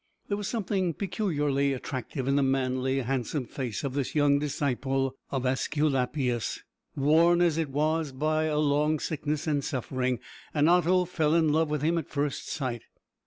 There was something peculiarly attractive in the manly, handsome face of this young disciple of Aesculapius, worn as it was by long sickness and suffering, and Otto fell in love with him at first sight.